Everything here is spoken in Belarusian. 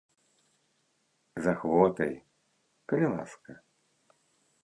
З ахвотай, калі ласка.